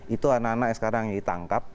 itu anak anak yang sekarang ditangkap